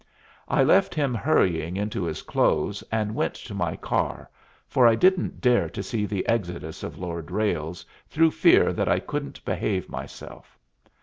I left him hurrying into his clothes, and went to my car, for I didn't dare to see the exodus of Lord Ralles, through fear that I couldn't behave myself.